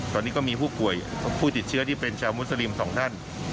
ตอนนี้ก็มีผู้ป่วยผู้ติดเชื้อที่เป็นชาวมุสลิมสองท่าน